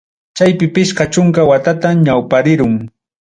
Chaypi pichqa chunka watatam ñawparirun.